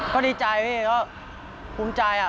ก็ดีใจพี่ก็ภูมิใจ